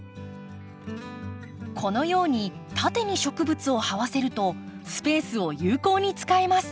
このように縦に植物を這わせるとスペースを有効に使えます。